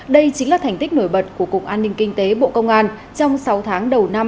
đây chính là thành tích nổi bật của cục an ninh kinh tế bộ công an trong sáu tháng đầu năm hai nghìn hai mươi hai